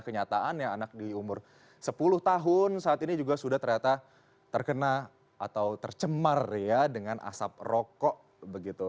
kenyataannya anak di umur sepuluh tahun saat ini juga sudah ternyata terkena atau tercemar ya dengan asap rokok begitu